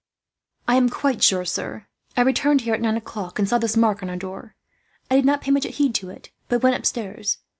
"I am quite sure, sir. I returned here at nine o'clock, and saw this mark on our door. I did not pay much heed to it, but went upstairs.